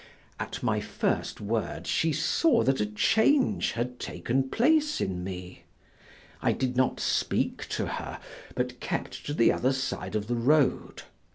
At my first word she saw that a change had taken place in me. I did not speak to her but kept to the other side of the road.